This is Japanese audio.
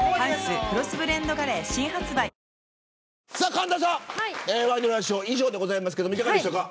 神田さん、ワイドナショー以上ですが、いかがでしたか。